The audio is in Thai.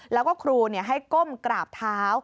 แล้วก็ครูให้ก้มกราบเท้า